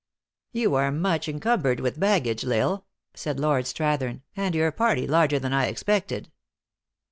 " You are much encumbered with baggage, L Isle," said Lord Strathern ;" and your party larger than I expected."